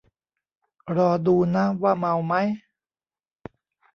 รอดูนะว่าเมามั้ย